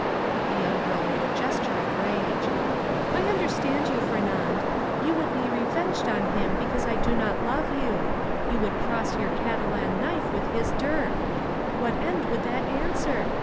The young girl made a gesture of rage. "I understand you, Fernand; you would be revenged on him because I do not love you; you would cross your Catalan knife with his dirk. What end would that answer?